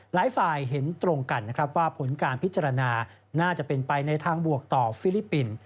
หลายฝ่ายเห็นตรงกันนะครับว่าผลการพิจารณาน่าจะเป็นไปในทางบวกต่อฟิลิปปินส์